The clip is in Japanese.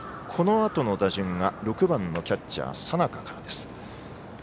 このあとの打順が６番キャッチャー佐仲から。